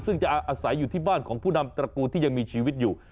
ซึ่งจะอาศัยอยู่ที่บ้านของผู้นำตระกูลที่ยังมีชีวิตอยู่